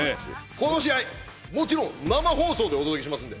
もちろん生放送でお届けしますんで。